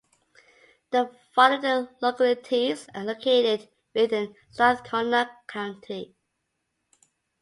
The following localities are located within Strathcona County.